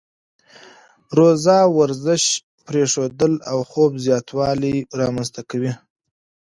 روزه ورزش پرېښودل او خوب زیاتوالی رامنځته کوي.